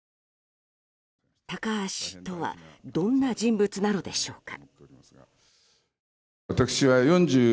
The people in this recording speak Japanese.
高橋氏とはどんな人物なのでしょうか。